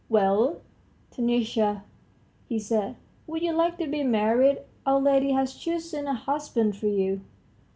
"Well, Taniusha," he said, "would you like to be married? Our lady has chosen a husband for you?"